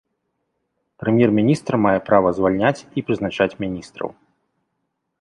Прэм'ер-міністр мае права звальняць і прызначаць міністраў.